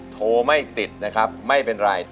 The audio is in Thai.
โทรไม่ติดนะครับไม่เป็นไร